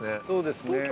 そうですね。